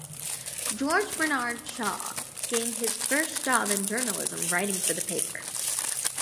George Bernard Shaw gained his first job in journalism writing for the paper.